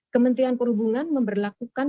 kementerian perhubungan memberlakukan